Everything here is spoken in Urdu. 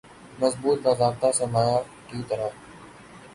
مضبوط باضابطہ سرمایہ کی طرح